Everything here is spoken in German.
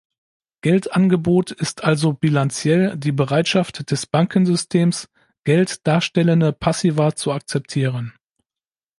Geldangebot ist also bilanziell die Bereitschaft des Bankensystems, Geld darstellende Passiva zu akzeptieren.